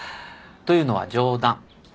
というのは冗談。